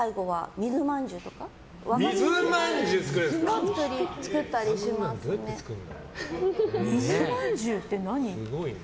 水まんじゅうって何？